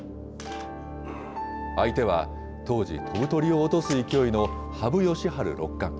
相手は当時、飛ぶ鳥を落とす勢いの羽生善治六冠。